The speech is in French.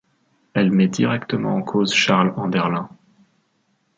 Elle met directement en cause Charles Enderlin.